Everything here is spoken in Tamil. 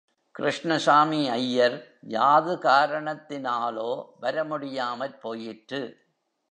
கிருஷ்ணசாமி ஐயர் யாது காரணத்தினாலோ வர முடியாமற் போயிற்று.